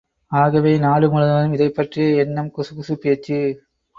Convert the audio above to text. ஆகவே, நாடு முழுவதும் இதைப் பற்றிய எண்ணம், குசுகுசுப் பேச்சு.